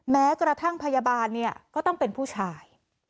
แม้กระทั่งพยาบาลเนี่ยก็ต้องเป็นผู้ชาย